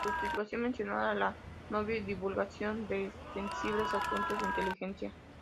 La justificación mencionaba la ""no divulgación de sensibles asuntos de inteligencia"".